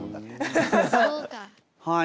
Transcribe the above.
はい。